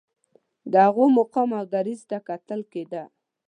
د هغوی مقام او دریځ ته کتل کېده.